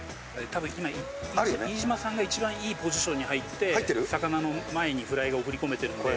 多分今飯島さんが一番いいポジションに入って魚の前にフライが送り込めてるんで。